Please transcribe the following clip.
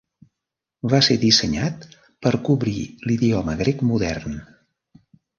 Va ser dissenyat per cobrir l'idioma grec modern.